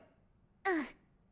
うん！